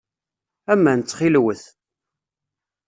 Aman, ttxil-wet.